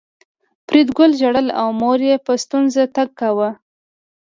فریدګل ژړل او مور یې په ستونزه تګ کاوه